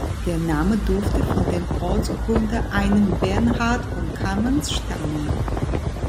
Der Name dürfte von dem Ortsgründer, "„einem Bernhard von Kamenz“", stammen.